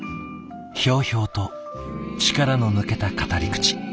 ひょうひょうと力の抜けた語り口。